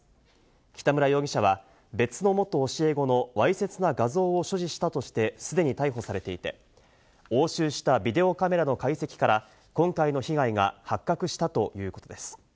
北村容疑者は、別の元教え子のわいせつな画像を所持したとして既に逮捕されていて、押収したビデオカメラの解析から今回の被害が発覚したということです。